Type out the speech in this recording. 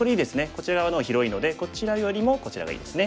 こちら側の方が広いのでこちらよりもこちらがいいですね。